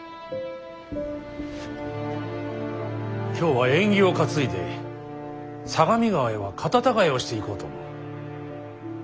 今日は縁起を担いで相模川へは方違えをしていこうと思う。